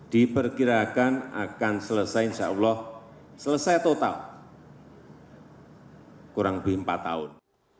diperkirakan akan selesai insya allah selesai total kurang lebih empat tahun